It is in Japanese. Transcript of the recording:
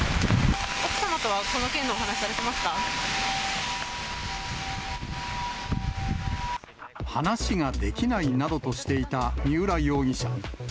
奥様とはこの件のお話をされ話ができないなどとしていた三浦容疑者。